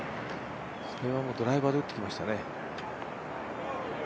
これはドライバーで打ってきましたね。